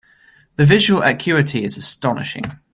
The visual acuity is astonishing.